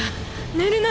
寝るな！